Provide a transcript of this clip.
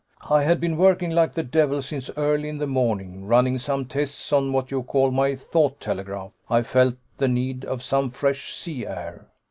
"I had been working like the devil since early in the morning, running some tests on what you call my thought telegraph. I felt the need of some fresh sea air.